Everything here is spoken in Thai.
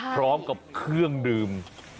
พร้อมกับเครื่องดื่ม